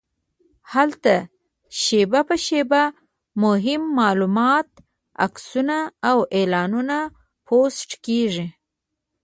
هلته شېبه په شېبه مهم معلومات، عکسونه او اعلانونه پوسټ کېږي.